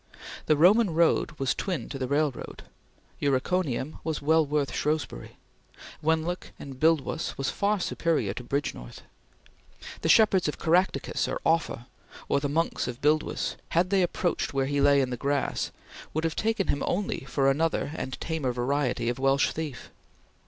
The Roman road was twin to the railroad; Uriconium was well worth Shrewsbury; Wenlock and Buildwas were far superior to Bridgnorth. The shepherds of Caractacus or Offa, or the monks of Buildwas, had they approached where he lay in the grass, would have taken him only for another and tamer variety of Welsh thief.